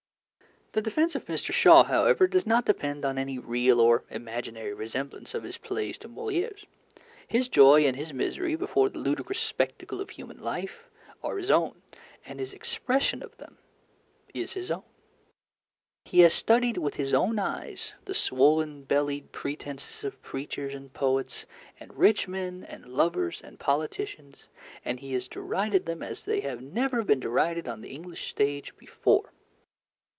The defence of Mr. Shaw, however, does not depend on any real or imaginary resemblance of his plays to Molière's. His joy and his misery before the ludicrous spectacle of human life are his own, and his expression of them is his own. He has studied with his own eyes the swollen bellied pretences of preachers and poets and rich men and lovers and politicians, and he has derided them as they have never been derided on the English stage before.